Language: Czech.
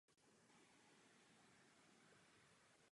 Psal mimo jiné i v biblické češtině.